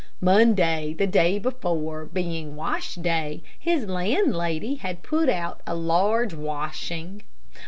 Monday, the day before, being wash day, his landlady had put out a large washing.